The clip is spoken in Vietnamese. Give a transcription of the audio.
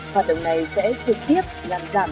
hoạt động này sẽ trực tiếp làm giảm